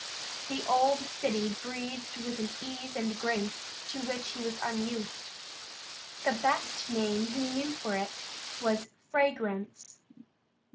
The old city breathed with an ease and grace to which he was unused. The best name that he knew for it was fragrance.